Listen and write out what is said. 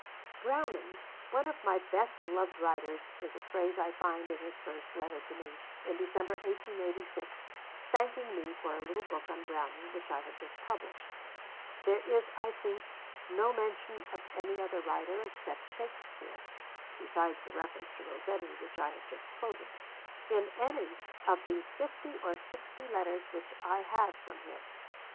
'Browning, one of my best loved writers,' is a phrase I find in his first letter to me, in December 1886, thanking me for a little book on Browning which I had just published. There is, I think, no mention of any other writer except Shakespeare (besides the reference to Rossetti which I have just quoted) in any of the fifty or sixty letters which I have from him.